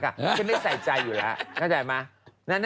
ขอบคุณมากค่ะฉันไม่ใส่ใจอยู่แล้วน่าใจมั้ย